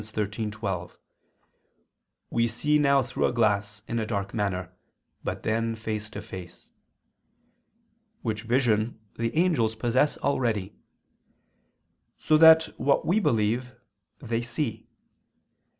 13:12: "We see now through a glass in a dark manner; but then face to face": which vision the angels possess already; so that what we believe, they see.